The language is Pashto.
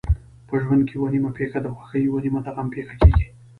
په ژوند کې یوه نیمه پېښه د خوښۍ یوه نیمه د غم پېښه کېږي.